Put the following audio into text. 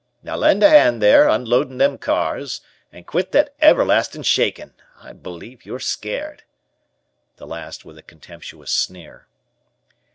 Now lend a hand there unloadin' them cars, and quit that everlastin' shakin'. I believe yer scared." The last with a contemptuous sneer.